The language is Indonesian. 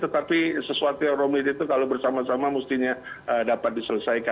tetapi sesuatu yang rumit itu kalau bersama sama mestinya dapat diselesaikan